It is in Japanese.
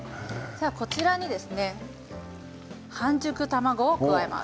こちらに半熟卵を加えます。